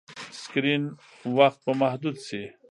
سکرین وخت به محدود شي.